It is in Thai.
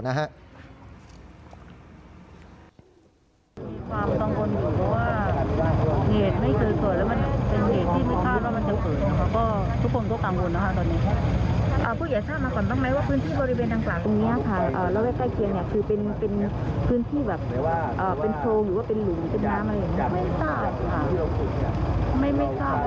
นะครับ